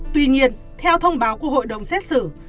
tuy nhiên theo thông báo của hội đồng xét xử